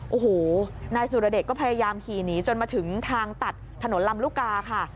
โอ้โหนายสุรเดชก็พยายามขี่หนีจนมาถึงทางตัดถนนลำลูกกาค่ะ